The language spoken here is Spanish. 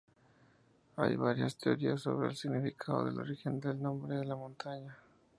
Hay varias teorías sobre el significado del origen del nombre de la montaña.